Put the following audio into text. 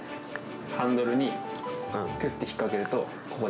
ハンドルにきゅって引っ掛けると、ここで。